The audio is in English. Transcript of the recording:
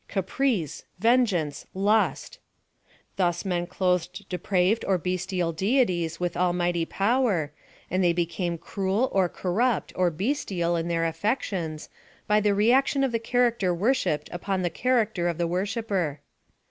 Caprice, Vengeance, Lust, Thus men clothed depraved or bestial deities with PLAN OF SALVATION 41 almighty power, and they became cruel, or corrupt, or bestial in their affections, by the reaction of the character worshipped upon the character of the wor shipper.